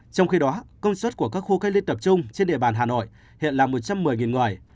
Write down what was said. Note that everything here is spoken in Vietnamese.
trong khi đó công suất của các khu cách ly tập trung trên địa bàn hà nội hiện là một trăm một mươi người